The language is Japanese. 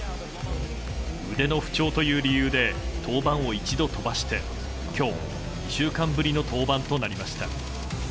腕の不調という理由で登板を一度飛ばして今日、２週間ぶりの登板となりました。